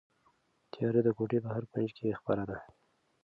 تیاره د کوټې په هر کونج کې خپره ده.